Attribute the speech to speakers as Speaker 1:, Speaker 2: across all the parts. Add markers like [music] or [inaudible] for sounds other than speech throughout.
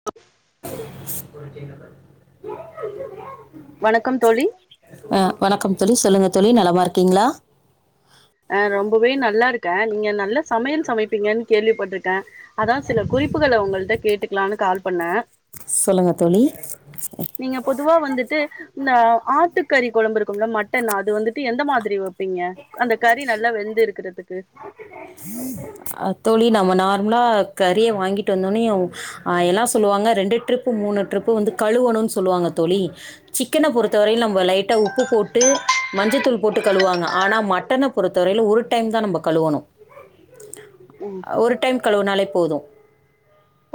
Speaker 1: [inaudible]
Speaker 2: ஒரு சின்ன தப்பு
Speaker 1: வணக்கம் தோழி
Speaker 2: ஆ வணக்கம் தோழி சொல்லுங்க தோழி நலமா இருக்கீங்ளா
Speaker 1: ஆ ரொம்பவே நல்லா இருக்கே நீங்க நல்ல சமையல் சமைப்பீங்கன்னு கேள்விப்பட்ருக்கே அதா சில குறிப்புகள உங்கள்ட்ட கேட்டுக்கலான்னு கால் பண்ணே
Speaker 2: சொல்லுங்க தோழி [inaudible]
Speaker 1: நீங்க பொதுவா வந்துட்டு இந்த ஆட்டுக்கறி கொழம்பு இருக்கும்ல மட்டன் அது வந்துட்டு எந்த மாதிரி வப்பீங்க அந்த கறி நல்லா வெந்து இருக்றதுக்கு
Speaker 2: [inaudible] ஆ தோழி நம்ம நார்மலா கறிய வாங்கிட்டு வந்த ஓன்னயு ஆ எல்லா சொல்லுவாங்க ரெண்டு ட்ரிப் ப்பு மூணு ட்ரிப்பு வந்து கழுவணுன்னு சொல்லாங்க தோழி சிக்கன பொறுத்தவரயில நம்ம லைட்டா உப்பு போட்டு மஞ்சத்தூள் போட்டு கழுவாங்க ஆனா மட்டன பொறுத்த வரைல ஒரு டைம் தா நம்ப கழுவணு
Speaker 1: ம்
Speaker 2: ஒரு டைம் கழுவுனாலே போது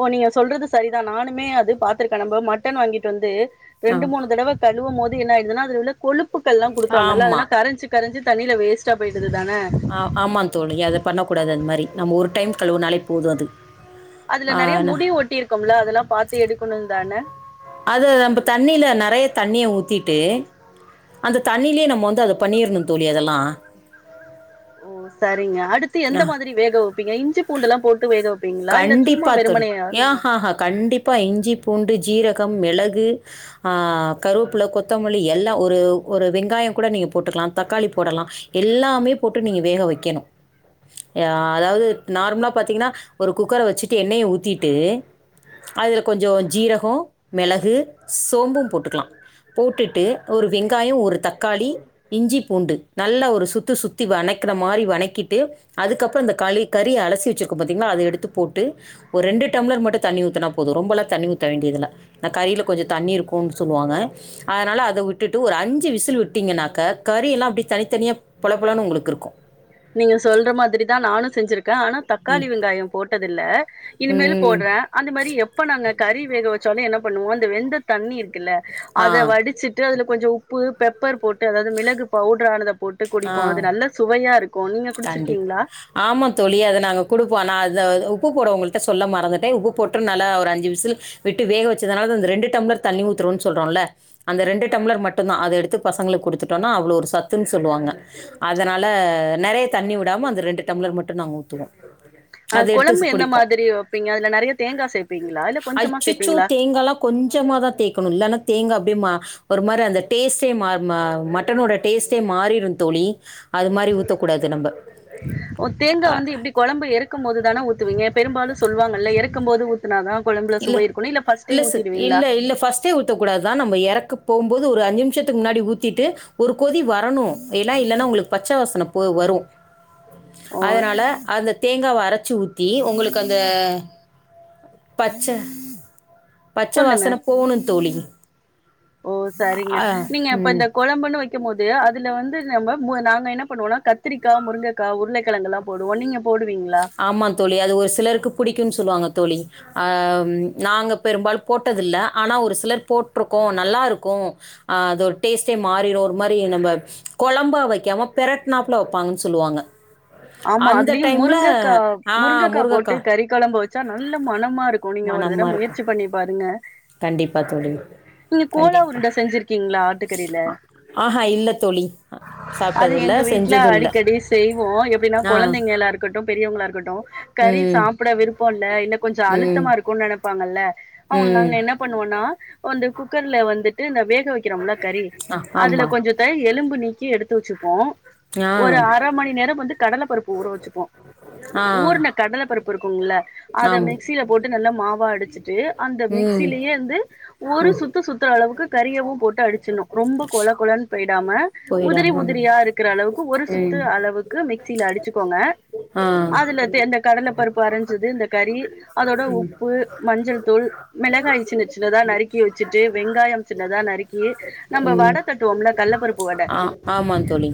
Speaker 1: ஓ நீங்க சொல்றது சரிதா நானுமே அது பாத்ததுருக்கே நம்ப மட்டன் வாங்கிட்டு வந்து
Speaker 2: ஆ
Speaker 1: ரெண்டு மூணு தடவ கழுவும் போது என்ன ஆயிடுதுன்னா அதுல உள்ள கொழுப்புக்கல்லாங் குடுக்குறாங்கல்ல அதெல்லா
Speaker 2: ஆமாம்
Speaker 1: கரஞ்சிப் கரஞ்சி தண்ணில வேஸ்டா போயிடுது தான
Speaker 2: ஆ ஆமா தோழி அத பண்ணக் கூடாது அது மாரி நம்ம ஒரு டைம் கழுவுனாலே போது அது
Speaker 1: அதுல
Speaker 2: ஆ,
Speaker 1: நெறைய
Speaker 2: ந-
Speaker 1: முடி ஒட்டி இருக்கும்ல அதெல்லா பாத்து எடுக்கணுந்தான
Speaker 2: அதுல நம்ப தண்ணில நெறைய தண்ணிய ஊத்திட்டு அந்த தண்ணிலயே நம்ம வந்து அத பண்ணிர்ணு தோழி அதெல்லா
Speaker 1: ஓ சரிங்க அடுத்து எந்த
Speaker 2: ஆ
Speaker 1: மாதிரி வேக வப்பீங்க இஞ்சி பூண்டுல்லா போட்டு வேக வப்
Speaker 2: கண்டிப்பா தோழி ஏ ஹாஹா கண்டிப்பா இஞ்சி பூண்டு ஜீரகம் மிளகு ஆ கருவுப்ல கொத்தமல்லி எல்லா ஒரு ஒரு வெங்காயங்கூட நீங்க போட்டுக்லா தக்காளி போடலா எல்லாமே போட்டு நீங்க வேக வக்கணு ஆ அதாவது நார்மலா பாத்தீங்கன்னா ஒரு குக்கர வச்சிட்டு எண்ணெய ஊத்திட்டு அதுல கொஞ்சோ ஜீரகோ மெளகு சோம்பு போட்டுக்கலா போட்டுட்டு ஒரு வெங்காயோ ஒரு தக்காளி இஞ்சி பூண்டு நல்லா ஒரு சுத்து சுத்தி வனக்கற மாரி வனக்கிட்டு அதுக்கப்றோ அந்த களி கறி அலசி வெச்சிருக்கோ பாத்தீங்ளா அத எடுத்து போட்டு ஒரு ரெண்டு டம்ளர் மட்டு தண்ணி ஊத்தினா போது ரொம்பல்லா தண்ணி ஊத்த வேண்டியதுல்ல இந்த கறியில கொஞ்ச தண்ணி இருக்குன் சொல்லுவாங்க அதனால அத விட்டுட்டு ஒரு அஞ்சு விசில் விட்டிங்கன்னாக்க கறி எல்லா அப்டியே தனித்தனியா பொல பொலனு உங்களுக்கு இருக்கு
Speaker 1: நீங்க சொல்ற மாதிரி தா நானு செஞ்சிருக் கே ஆனா தக்காளி வெங்காயோ போட்டதில்ல இனிமேலு
Speaker 2: ம்
Speaker 1: போட்றே அந்த மாரி எப்ப நாங்க கறி வேக வெச்சாலு என்ன பண்ணுவோ அந்த வெந்த தண்ணி இருக்குல்ல
Speaker 2: ஆ
Speaker 1: அத வடிச்சிட் டு அதுல கொஞ்சோ உப்பு பெப்பர் போட்டு அதாவ்து மிளகு பவுடரானத போட்டு குடிப்போ
Speaker 2: ஆ
Speaker 1: அது நல்ல சுவையா இரு
Speaker 2: கண்டிப்பா ஆமாத்தோழி அத நாங்க குடுப்போ நா அத அ உப்பு போடுவோ உங்கள்ட சொல்ல மறந்துட்டே உப்பு போட்டு நல்லா ஒரு அஞ்சு விசில் விட்டு வேக வெச்சுதனா அந்த ரெண்டு டம்ளர் தண்ணி ஊத்துறோ சொல்றோன்ல அந்த ரெண்டு டம்ளர் மட்டுந்தா அத எடுத்து பசங்களுக் குடுத்துட்டோன்னா அவ்ளோ ஒரு சத்துன் சொல்வாங்க அதனால நெறைய தண்ணி விடாம அந்த ரெண்டு டம்ளர் மட்டு நாங்க ஊத்துவோ
Speaker 1: ஆ கொழம்பு எந்த மாத்ரி வெப்பீங்க அதுல நெறையா தேங்கா சேப்பீங்ளா இல்ல கொஞ்சமா
Speaker 2: அச்சச்சோ!
Speaker 1: சேப்பீங்ளா
Speaker 2: தேங்காலாம் கொஞ்சமா தா தேக்கணு இல்லனா தேங்கா அப்டியே மா ஒரு மாரி அந்த டேஸ்ட்டே மா மா மட்டனோட டேஸ்ட்டே மாறிரு தோழி அது மாரி ஊத்தக்க கூடாது நம்ம
Speaker 1: ஓ தேங்காய் வந்து எப்டி கொழம்பு எறக்கும்போது தான ஊத்துவீங்க பெரும்பாலு சொல்லுவாங்கல்ல எறக்கும் போது ஊத் துனாதா கொழம்புல சுவை இருக்குணு இல்ல ஃபஸ்ட்டே ஊத்திடுவீங்ளா
Speaker 2: ஃபஸ்ட்டே ஊத்தக்கூடாத்தா நம்ம எறக்கு போம்போது ஒரு அஞ்சு நிமிஷத்துக்கு முன்னாடி ஊத்திட்டு ஒரு கொதி வரணு ஏனா இல்லன்னா உங்களுக்கு பச்ச வாசன போ வரு
Speaker 1: ஓ
Speaker 2: அதனால அந்த தேங்காவ அரைச்சு ஊத்தி உங்களுக்கு அந்த பச்ச பச்ச
Speaker 1: சொல்லுங்க
Speaker 2: வாசன போணு தோழி
Speaker 1: ஓ சரிங்க
Speaker 2: ஆ
Speaker 1: நீங்க இப்ப
Speaker 2: ம்.
Speaker 1: இந்த கொழம்புன்னு வெ க்கு போது அதுல வந்து நம்ம நாங்க என்ன பண்ணுவோனா கத்திரிக்கா முருங்கக்கா உருளக்கெழங்கல்லா போடுவோ நீங்க போடுவீங்ளா
Speaker 2: ஆமா தோழி அது ஒரு சிலருக்கு புடிக்குன் சொல்லுவாங்க தோழி அ நாங்க பெரும்பாலு போட்டதில்ல ஆனா ஒரு சிலர் போட்ருக்கோ நல்லா இருக்கு ஆ அதோரு டேஸ்ட்டே மாறிறு ஒரு மாரி நம்ம கொழம்பா வெய்க்காம பெரட்னாப்ல வெப்பாங்கன் சொல்லுவாங்க
Speaker 1: ஆமா
Speaker 2: அந்த
Speaker 1: அதுலயு
Speaker 2: டைம்ல
Speaker 1: முருங்கக்கா முருங்கக்கா போட்டு கறி கொழம்பு வெச்சா நல்ல மனமா இருக் கு நீங்க ஒரு தடவ
Speaker 2: மணமா
Speaker 1: முயற்சி
Speaker 2: இருக்கும்.
Speaker 1: பண்ணி பாருங்க
Speaker 2: கண்டிப்பா தோழி.
Speaker 1: நீங்க கோலா
Speaker 2: கண்டிப்பா.
Speaker 1: உருண்ட செஞ்சிருக்கீங்ளா ஆட்டுக்கறியில
Speaker 2: ஆஹா இல்ல தோழி.
Speaker 1: அது
Speaker 2: சாப்பிட்டதில்ல,
Speaker 1: எங்க வீட்ல
Speaker 2: செஞ்சதும் இல்ல.
Speaker 1: அடிக்கடி செய்வோ எப்டி னா
Speaker 2: ஆ.
Speaker 1: கொழந்தைங்ளா இருக்கட்டு பெரியவங்ளா இருக்கட்டு கறி
Speaker 2: ம்.
Speaker 1: சாப்பிட விருப்போ இல்ல என்ன கொஞ்சோ
Speaker 2: ம்.
Speaker 1: அழுத்தமா இருக்குன் நெனைப்பாங்கல்ல அவுங்கல
Speaker 2: ம்.
Speaker 1: நாங்க என்ன பண்ணுவோன்னா வந்து குக்கர்ல வந்துட்டு இந்த வேக வெய்க்கிறோம்ல கறி
Speaker 2: ஆ
Speaker 1: அதுல
Speaker 2: ஆமா.
Speaker 1: கொஞ்சோ த்த எலும்பு நீக்கி எடுத்து வெச்சுப்போ
Speaker 2: ஆ.
Speaker 1: ஒரு அர மணி நேரோ வந்து கடல பருப்பு ஊற வெச்சுப்போ
Speaker 2: ஆ.
Speaker 1: ஊர்ன கடல பருப்பு இருக்குல்ல அத
Speaker 2: ஆம்
Speaker 1: மிக்சியில போட் டு நல்லா மாவா அடிச்சிட்டு அந்த
Speaker 2: ம்
Speaker 1: மிக்சிலயே வந்து ஒரு சுத்து சுத்தர அளவுக்கு கறியவு போட்டு அடிச்சணு ரொம்ப கொல கொழன்னு போயிடாம உதிரி
Speaker 2: போயிடாம
Speaker 1: உதிரியா இருக்கிற அளவுக்கு ஒரு
Speaker 2: ம்
Speaker 1: சுத்து அளவுக்கு மிக் சில அடிச்சுக்கோங்க
Speaker 2: ஆ
Speaker 1: அதுல தே அந்த கடல பருப்பு அரஞ்சது இந்த கறி அதோட உப்பு மஞ்சள் தூள் மெளகாய சின்ன சின்னதா நறுக்கி வெச்சுட்டு வெங்காயம் சின்னதா நறுக்கி நம்ம வட
Speaker 2: ம்
Speaker 1: தட்டுவோம்ல்ல கள்ள பருப்பு வட
Speaker 2: ஆ ஆமா தோழி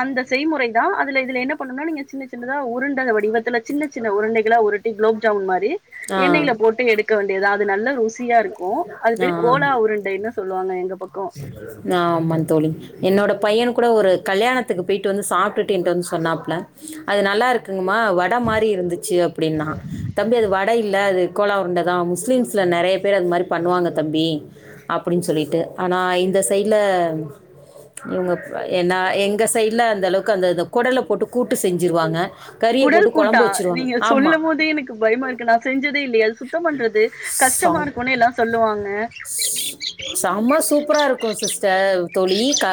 Speaker 1: அந்த செய்முறைதா அதுல இதுல என்ன பண்ணுனா நீங்க சின்ன சின்னதா உருண்ட வடிவத்தில சின்ன சின்ன உருண்டைகளா உ ருட்டி குலோப் ஜோமுன் மாரி
Speaker 2: ஆ
Speaker 1: எண்ணெல போட்டு எடுக்க வேண்டியதுதா அது நல்லா ருசியா இருக்கு அது
Speaker 2: ஆ
Speaker 1: பேரு கோலா உருண்டைனு சொல்லுவாங்க எங்க பக்கோ
Speaker 2: ஆமாந் தோழி என்னோட பையன் கூட ஒரு கல்யாணத்துக்கு போயிட்டு வந் சாப்டுட்டு என்ட்ட வந் சொன்னாப்ல அது நல்லா இரு க்குங்கமா வட மாரி இருந்துச்சு அப்டினா தம்பி அது வட இல்ல அது கோலா உருண்டதா முஸ்லீம்ஸ்ல நெறைய பேர் அது மாரி பண்ணுவாங்க தம்பி அப்டின்னு சொல்லிட்டு ஆனா இந்த சைடுல இவுங்க ஏனா எங்க சைடுல அந்த அளவுக்கு அந்தத கொடல போட்டு கூட்டு செஞ்சிருவாங்க கறியை
Speaker 1: குடல்
Speaker 2: போட்டு
Speaker 1: கூட்டா
Speaker 2: குழம்பு வச்சிருவாங்க
Speaker 1: நீங்க
Speaker 2: ஆமாம்
Speaker 1: சொல்லும்போதே எனக்கு பயமா இருக்கு நா செஞ்சதே இல்லயே அது சுத்தம் பண்றது கஷ்டமா
Speaker 2: சாம்
Speaker 1: இரு பொண்ணெல்லா சொல்லுவாங்க
Speaker 2: செம சூப்பரா இருக்கு சிஸ்டர் தோழி க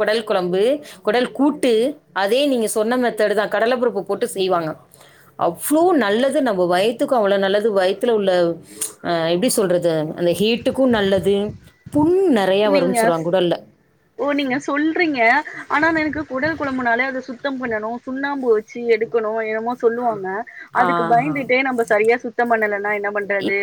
Speaker 2: கொடல் கொழம்பு கொடல் கூட்டு அதே நீங்க சொன்ன மெத்தேடுதா கடலப்பருப்பு போட்டு செய்வாங்க அவ்ளோ நல்லது நம்ம வயத்துக்கு அவ்ளோ நல்லது வயத்துல உள்ள அ எப்டி சொல்றது அந்த ஹீட்டுக்கு நல்லது புண் நெறயா
Speaker 1: நீங்க
Speaker 2: வருனு சொல்றாங்க குடல்ல
Speaker 1: ஓ நீங்க சொல்றீங்க ஆனா எனக்கு குடல் குழம்புனாலே அத சுத்தம் பண்ணணு சுண்ணாம்பு வெ ச்சி எடுக்கணு என்னமோ சொல்லுவாங்க அதுக்கு
Speaker 2: ஆஹா.
Speaker 1: பயந்துட்டே நம்ம சரியா சுத்தம் பண்ணலனா என்ன பண்றது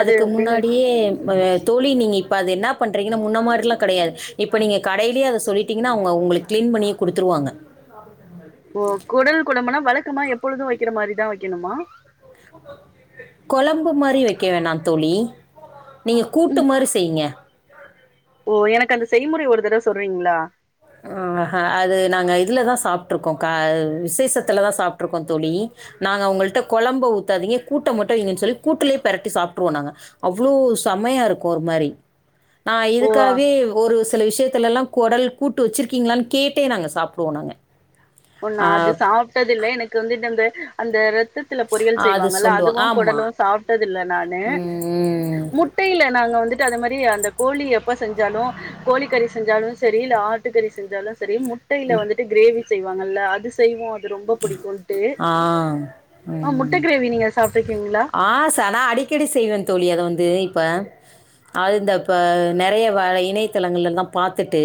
Speaker 1: அது அப்டின்னு
Speaker 2: அப்டியே அ தோழி நீங்க இப்ப அது என்னா பண்றீங்கனா முன்ன மாரில்லா கெடையாது இப்ப நீங்க கடைலயே அத சொல்லிட்டீங்கனா அவுங்க உங்களுக்கு க்ளீன் பண்ணியே குடுத்துருவாங்க குடுத்த காசுக்கு தகுந்த மாரி
Speaker 1: ஓ குடல் குழம்புனா வழக்கமா எப்பொழுது வெக்கிற மாரிதா வெக்கணுமா
Speaker 2: கொழம்பு மாரி வெக்க வேணா தோழி நீங்க கூட்டு
Speaker 1: ம்
Speaker 2: மாரி செய்ங்க
Speaker 1: ஓ எனக்கு அந்த செய்முறை ஒரு தரவ சொல்றீங்ளா
Speaker 2: ஆ ஹ அது நாங்க இதுலதா சாப்ட்டுருக்கோ கா விசேஷத்துலதா சாப்ட்டுருக்கோ தோழி நாங்க அவுங்கள்ட்ட கொழம்ப ஊத்தாதீங்க கூட்ட மட்டு வைங்கன்னு சொல்லி கூட்டுலயே பெரட்டி சாப்ட்டுருவோ நாங்க அவ்ளோ செமையா இருக்கு ஒரு மாறி நா
Speaker 1: ஓ
Speaker 2: இதுக்காவே ஒரு சில விஷியத்துலல்லா கொடல் கூட்டு வெச்சுருகிங்களான்னு கேட்டே நாங்க சாப்டுவோ நாங்க
Speaker 1: ஓ நா அது சாப்ட்டது இல்ல எனக்கு வந்துட்டு அந்த அந்த ரத்தத்துல பொரியல்
Speaker 2: அது
Speaker 1: செய்வாங்கல்ல
Speaker 2: சொல்லுவோம்
Speaker 1: அதுவு குடலு
Speaker 2: ஆமாம்
Speaker 1: சாப்ட்டது இல்ல நானு
Speaker 2: ம்
Speaker 1: மு டைல நாங்க வந்துட்டு அத மாறி அந்த கோழி எப்போ செஞ்சாலு கோழி கறி செஞ்சாலு சரி இல்ல ஆட்டுக்கறி செஞ்சாலு சரி முட்டைல வந்துட்டு கிரேவி செய்வாங்கல்ல அது செய்வோ ரொம்ப புடிக்குன்ட்டு
Speaker 2: ஆ
Speaker 1: ஆ முட்ட
Speaker 2: ம்
Speaker 1: கிரேவி நீங்க சாப்ட்டுருக்கீங்ளா
Speaker 2: கடி செய்வன் தோழி அத வந்து இப்ப அது இந்த இப்ப நெறைய வளை இணையதளங்கள்ள எல்லா பாத்துட்டு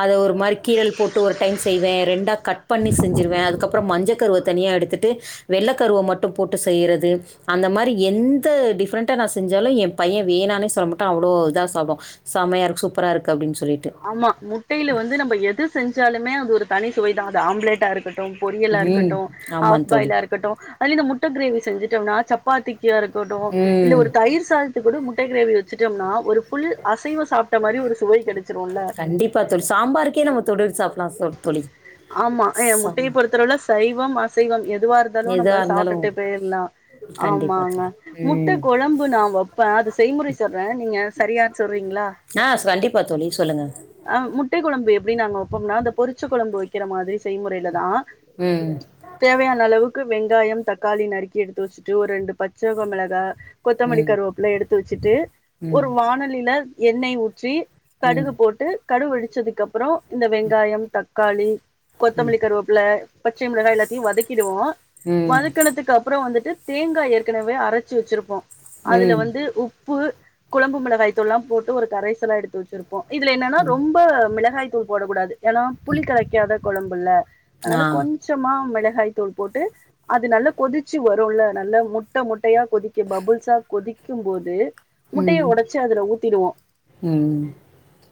Speaker 2: அத ஒரு மாறி கீரல் போட்டு ஒரு டைம் செய்வேன் ரெண்டா கட் பண்ணி செஞ்சிருவே அதுக்க மஞ்ச கருவ தனியா எடுத்துட்டு வெள்ள கருவ மட்டு போட்டு செய்யறது அந்த மாறி எந்த டிஃப்ரெண்ட்டா நா செஞ்சாலு எ பைய வேணானே சொல்ல மட்டா அவ்ளோ இதா சாப்டுவா சமையா இருக்கு சூப்பரா இருக்கு அப்டின் சொல்லிட்டு
Speaker 1: ஆமா முட்டையில வந்து நம்ப எது செஞ்சாலுமே அது ஒரு தனி சுவைதா அது ஆம்லெட்டா இருக்க டு பொரியலா
Speaker 2: ம்
Speaker 1: இருக்கட்டு
Speaker 2: ஆமா
Speaker 1: ஹாஃப்
Speaker 2: தோழி
Speaker 1: பாய்லா இருக் கட்டு அதுலயு இந்த முட்ட கிரேவி செஞ்சுடம்னா சப்பாத்திக்காருக்கட்டு இல்ல
Speaker 2: ம்
Speaker 1: ஒரு தயிர் சாத கூட முட்ட கிரேவி வச்சுட்டம்னா ஒரு ஃபுல் அசைவ சாப்ட மாறி ஒரு சுவை கிடைச்
Speaker 2: கண்டிப்பா தோழி சாம்பாருக்கே நம்ம தொட்டுட்டு சாப்பிலா சோ தோழி
Speaker 1: ஆமா எ முட்டய
Speaker 2: சம்
Speaker 1: பொறுத்தளவுல சைவம் அசைவம் எதுவா இருந்தாலு
Speaker 2: எதா
Speaker 1: நம்ப
Speaker 2: இருந்தாலு
Speaker 1: சாப்டுட்டு போயிரலா
Speaker 2: கண்டிப்பா
Speaker 1: ஆமாங்க
Speaker 2: தோழி
Speaker 1: முட்ட
Speaker 2: ம்
Speaker 1: கொழம்பு நா வப்ப அது செய்முறை சொல்ற நீங்க சரியா சொல்றீங்ளா
Speaker 2: ஆ கண்டிப்பா தோழி சொல்லுங்க
Speaker 1: அ முட்டைக்குழம்பு எப்படி நாங்க வைப்போம்னா அந்த பொறிச்ச கொழம்பு வைக்கிற மாதிரி செய்முறையில தா
Speaker 2: ம்
Speaker 1: தேவையான அளவுக்கு வெங்காயம் தக்காளி நறுக்கி எடுத்து வச்சுட்டு ஒரு ரெண்டு பச்சக மெளகா கொத்தமல்லி
Speaker 2: ம்
Speaker 1: கருவேப்புல எடுத்து வச்சுட்டு
Speaker 2: ம்
Speaker 1: ஒரு வானலில எண்ணெய் ஊற்றி
Speaker 2: ம்
Speaker 1: கடுகு போட்டு கடுகு வெடிச்சதுக்கு அப்புற இந்த வெங்காய தக்காளி கொத்தமல்லி கருவேப்புல பச்சை மிளகா எல்லாத்தையு வதக்கிடுவோ
Speaker 2: ம்
Speaker 1: வதக்கனதுக்கு அப் அப்புற வந்துட்டு தேங்கா ஏற்கனவே அரச்சு வச்சிருப்போ அதுல
Speaker 2: ம்
Speaker 1: வந்து உப் ப்பு குழம்பு மிளகாய் தூள்ல்லா போட்டு ஒரு கரைசல்லா எடுத்து வச்சிருப்போ இதுல என்னன்னா
Speaker 2: ம்
Speaker 1: ரொம்ப மிளகாய் தூள் போடக்கூடாது ஏன்னா புளி கலைக்காத குழம்புல்ல அதனால
Speaker 2: ஆ
Speaker 1: கொஞ் கொஞ்சமா மிளகாய் தூள் போட்டு அது நல்லா கொதிச்சு வருல நல்லா முட்ட முட்டயா கொதிக்க பபுள்ஸா கொதிக்கும் போது முட்டயை
Speaker 2: ம்
Speaker 1: ஒடச்சு அதுல ஊத்திடுவோ
Speaker 2: ம்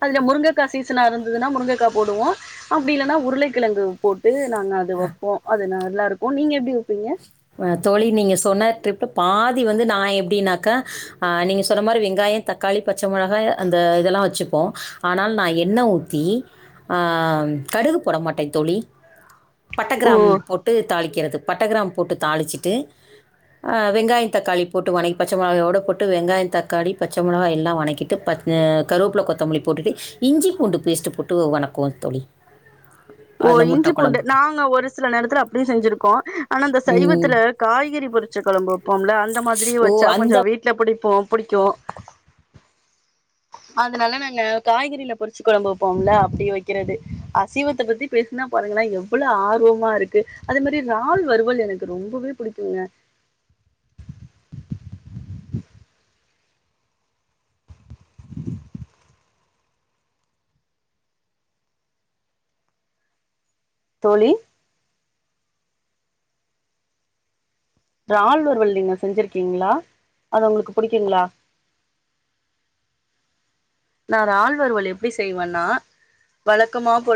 Speaker 1: அதுல முருங்கைக்கா சீசனா இருந்ததுன்னா முருங்கைக்கா போடுவோ அப்படி இல்லன்னா உருளைக்கிழங்கு போட்டு நாங்க அது வைப்போ அது நல்லாருக்கு நீங்க எப்டி வைப்பீங்க
Speaker 2: தோழி நீங்க சொன்ன ட்ரிப் பாதி வந்து நா எப்டின்னாக்க நீங்க சொன்ன மாரி வெங்காய தக்காளி பச்ச மொளகா அந்த இதெல்லா வச்சுப்போ ஆனால் நா எண்ண ஊத்தி அ கடுகு போடமாட்டே தோழி பட்ட
Speaker 1: ஓ
Speaker 2: கிராம் போட்டு தாளிக்கிறது பட்ட கிராம் போட்டு தாளிச்சுட்டு வெங்காய தக்காளி போட்டு வணக் பச்ச மெளகாயோட போட்டு வெங்காய தக்காளி பச்ச மொளக எல்லா வணக்கிட்டு பச்ச கருவேப்பில கொத்தமல்லி போட்டுட்டு இஞ்சி பூண்டு பேஸ்ட்டு போட்டு வணக்குவோ தோழி
Speaker 1: ஓ
Speaker 2: அந்த முட்டை
Speaker 1: இஞ்சி பூண்டு
Speaker 2: குழம்புக்கு.
Speaker 1: நாங்க ஒரு சில நேரத்துல அப்டியு செஞ்சிருக்கோ ஆனா அந்த
Speaker 2: ம்.
Speaker 1: சைவத்துல காய்கறி பொரிச்ச கொழம்பு வப்போம்ல அந்த மாதிரி
Speaker 2: ஓ!
Speaker 1: வச்சா கொஞ்ச
Speaker 2: அந்த
Speaker 1: வீட் ல புடிப்போ புடிக்கு அதனால நாங்க காய்கறில பொரிச்சு கொழம்பு வப்போம்ல அப்டி வைக்கிறது அசைவத்த பத்தி பேசுனா பாருங்கள எவ்வள ஆர்வமா இருக்கு அதே மாரி றால் வறுவல் எனக்கு ரொம்பவே புடிக்குங்க [inaudible] தோழி றால் வறுவல் நீங்க செஞ்சிருக்கீங்ளா அது உங்களுக்கு புடிக்குங்ளா நா றால் வறுவல் எப்டி செய்வன்னா வழக்கமா போல